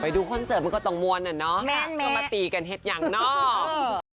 ดูคอนเสิร์ตมันก็ต้องมวลน่ะเนาะก็มาตีกันเห็ดอย่างนอก